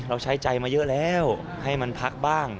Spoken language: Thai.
เราใช้ใจมาเยอะแล้วให้มันพักบ้าง